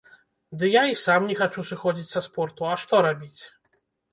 Ды я і сам не хачу сыходзіць са спорту, а што рабіць?